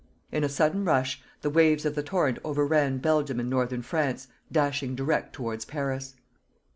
In a sudden rush, the waves of the torrent overran Belgium and Northern France dashing direct towards Paris.